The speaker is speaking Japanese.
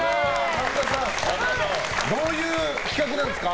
神田さんどういう企画なんですか。